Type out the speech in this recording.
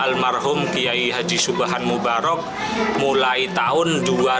almarhum kiai haji subhan mubarok mulai tahun dua ribu dua